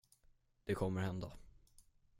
Det kommer hända.